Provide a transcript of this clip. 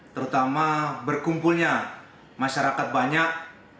terutama berkumpulnya masyarakat banyak